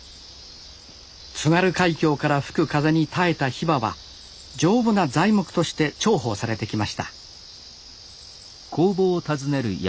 津軽海峡から吹く風に耐えたヒバは丈夫な材木として重宝されてきました